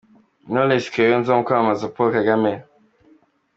Knowless i Kayonza mu kwamamaza Paul Kagame.